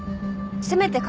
せめて鏡。